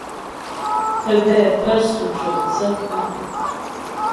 Pə́bɛ pə́ sʉ co' thə́ pu.